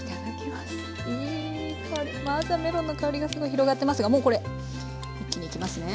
まずはメロンの香りがすごい広がってますがもうこれ一気にいきますね。